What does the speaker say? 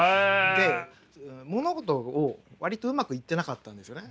で物事を割とうまくいってなかったんですよね。